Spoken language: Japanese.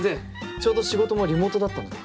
ちょうど仕事もリモートだったので。